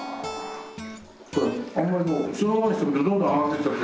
これあんまりそのままにしておくとどんどん上がってきちゃって。